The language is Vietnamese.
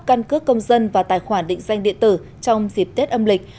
căn cước công dân và tài khoản định danh điện tử trong dịp tết âm lịch